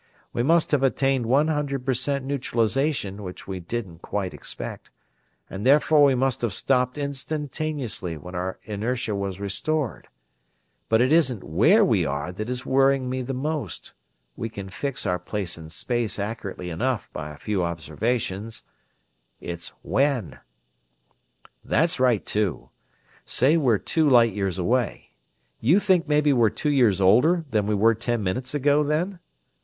We must have attained one hundred percent neutralization, which we didn't quite expect, and therefore we must have stopped instantaneously when our inertia was restored. But it isn't where we are that is worrying me the most we can fix our place in space accurately enough by a few observations it's when." "That's right, too. Say we're two light years away. You think maybe we're two years older than we were ten minutes ago, then?